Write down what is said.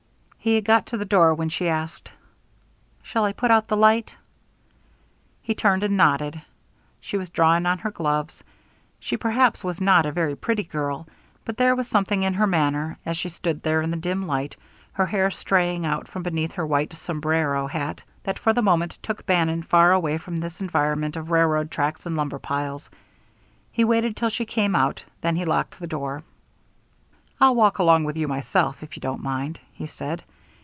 He had got to the door when she asked: "Shall I put out the light?" He turned and nodded. She was drawing on her gloves. She perhaps was not a very pretty girl, but there was something in her manner, as she stood there in the dim light, her hair straying out from beneath her white "sombrero" hat, that for the moment took Bannon far away from this environment of railroad tracks and lumber piles. He waited till she came out, then he locked the door. "I'll walk along with you myself, if you don't mind," he said.